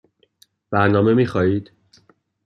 برنامه می خواهید؟